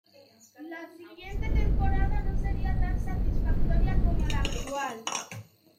La siguiente temporada no sería tan satisfactoria como la actual.